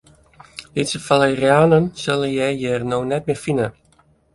Lytse falerianen sille je hjir no net mear fine.